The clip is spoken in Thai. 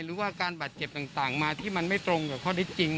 หรือว่าการบาดเจ็บต่างมาที่มันไม่ตรงกับข้อได้จริง